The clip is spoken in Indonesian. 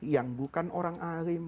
yang bukan orang alim